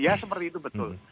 ya seperti itu betul